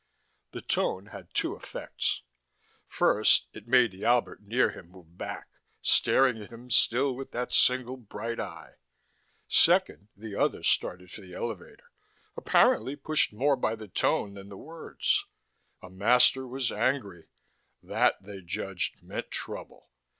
The tone had two effects. First, it made the Albert near him move back, staring at him still with that single bright eye. Second, the others started for the elevator, apparently pushed more by the tone than the words. A master was angry. That, they judged, meant trouble.